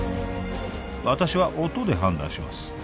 私は音で判断します